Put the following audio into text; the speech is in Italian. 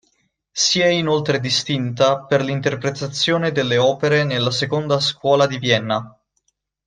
Si è inoltre distinta per l'interpretazione delle opere della Seconda scuola di Vienna.